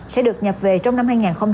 sẽ được nhập về trong năm hai nghìn hai mươi